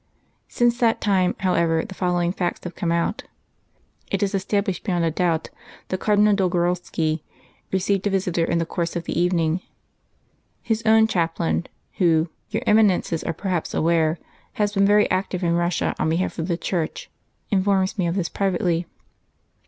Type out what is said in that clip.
"Since that time, however, the following facts have come out. It is established beyond a doubt that Cardinal Dolgorovski received a visitor in the course of the evening. His own chaplain, who, your Eminences are perhaps aware, has been very active in Russia on behalf of the Church, informs me of this privately.